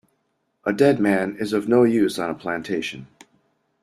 A dead man is of no use on a plantation.